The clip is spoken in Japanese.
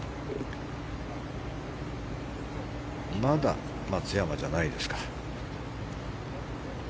まだ松山じゃないですか。